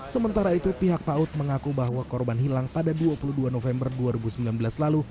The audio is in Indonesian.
sementara itu pihak paut mengaku bahwa korban hilang pada dua puluh dua november dua ribu sembilan belas lalu